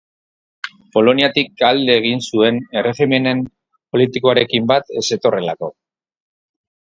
Poloniatik alde egin zuen erregimen politikoarekin bat ez zetorrelako.